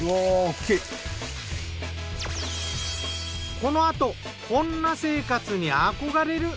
このあとこんな生活に憧れる。